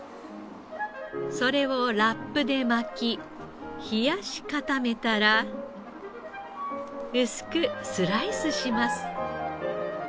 それをラップで巻き冷やし固めたら薄くスライスします。